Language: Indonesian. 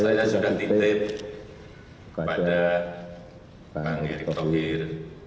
saya sudah titip kepada pak erick togir